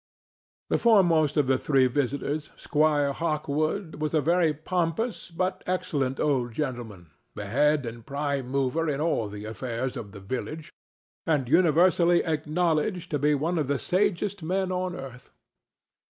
The foremost of the three visitors, Squire Hawkwood, was a very pompous but excellent old gentleman, the head and prime mover in all the affairs of the village, and universally acknowledged to be one of the sagest men on earth.